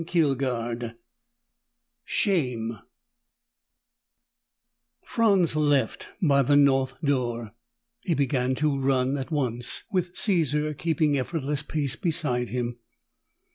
2: SHAME Franz left by the north door. He began to run at once, with Caesar keeping effortless pace beside him.